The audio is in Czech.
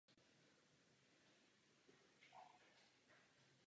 V té době už Turecko bylo značně nestabilní a nedokázalo na situaci reagovat.